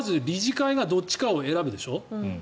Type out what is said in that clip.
まず理事会がどっちか選ぶでしょ。